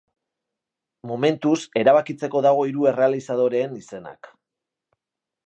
Momentuz, erabakitzeko dago hiru errealizadoreen izenak.